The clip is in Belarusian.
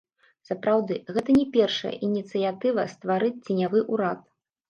Сапраўды, гэта не першая ініцыятыва стварыць ценявы ўрад.